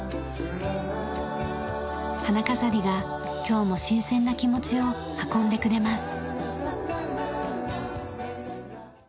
花飾りが今日も新鮮な気持ちを運んでくれます。